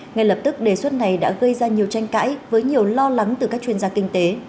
ngay lập tức đề xuất này đã gây ra nhiều tranh cãi với nhiều lo lắng từ các chuyên gia kinh tế